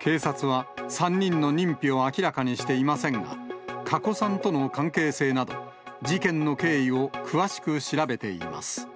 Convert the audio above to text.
警察は、３人の認否を明らかにしていませんが、加古さんとの関係性など、事件の経緯を詳しく調べています。